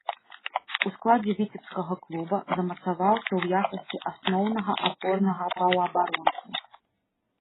У складзе віцебскага клуба замацаваўся ў якасці асноўнага апорнага паўабаронцы.